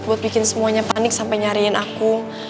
buat bikin semuanya panik sampai nyariin aku